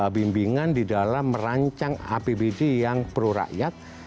bimbingan di dalam merancang apbd yang prurakyat